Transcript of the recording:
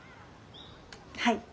はい。